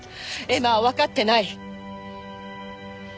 エマは分かってない。